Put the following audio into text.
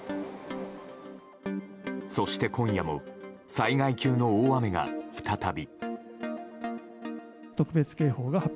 そして今夜も災害級の大雨が再び。